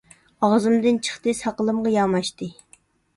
ئاغزىمدىن چىقتى، ساقىلىمغا ياماشتى.